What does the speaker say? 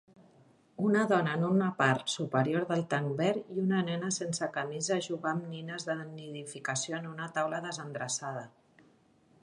Una dona en una part superior del tanc verd i una nena sense camisa jugar amb nines de nidificació en una taula desendreçada